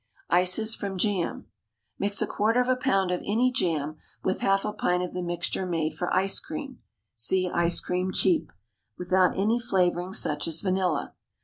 ICES FROM JAM. Mix a quarter of a pound of any jam with half a pint of the mixture made for ice cream (see ICE CREAM, CHEAP), without any flavouring such as vanilla.